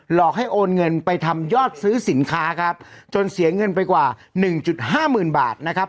หลอกให้โอนเงินไปทำยอดซื้อสินค้าครับจนเสียเงินไปกว่าหนึ่งจุดห้าหมื่นบาทนะครับ